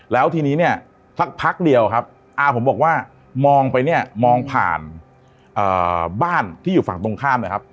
แล้วทีนี้เนี่ยสักพักเดียวครับอาผมบอกว่ามองไปเนี่ยมองผ่านบ้านที่อยู่ฝั่งตรงข้ามเลยครับ